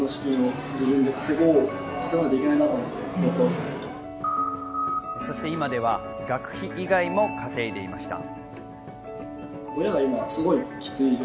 そして今では学費以外も稼いでいました。